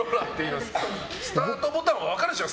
スタートボタンは分かるでしょ。